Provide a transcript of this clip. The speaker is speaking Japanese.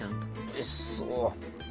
おいしそう。